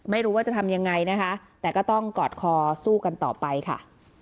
ไม่รู้ว่าจะทำยังไงนะคะแต่ก็ต้องกอดคอสู้กันต่อไปค่ะ